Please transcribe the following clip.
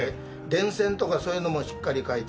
電線とかそういうのもしっかり描いて。